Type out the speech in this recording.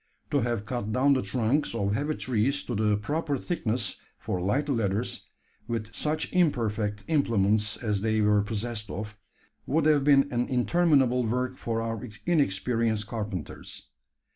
To have cut down the trunks of heavy trees to the proper thickness for light ladders with such imperfect implements as they were possessed of would have been an interminable work for our inexperienced carpenters.